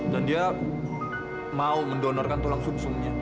dan dia mau mendonorkan tulang sungsumnya